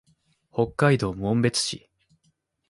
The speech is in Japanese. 北海道紋別市